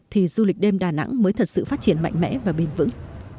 thì du lịch đêm đà nẵng mới thật sự phát triển mạnh mẽ và bền vững